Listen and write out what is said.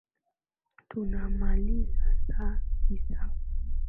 Tunamaliza saa tisa